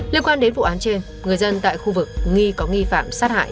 liên quan đến vụ án trên người dân tại khu vực nghi có nghi phạm sát hại